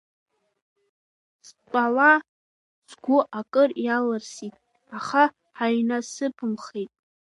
Стәала, сгәы акыр иалсырсит, аха ҳаинасыԥымхеит.